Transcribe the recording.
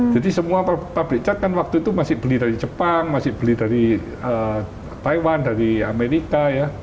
jadi semua pabrik cat kan waktu itu masih beli dari jepang masih beli dari taiwan dari amerika ya